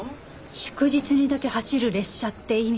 祝日にだけ走る列車って意味かしら？